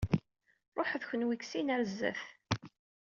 Ṛuḥet kunwi deg sin ar zdat.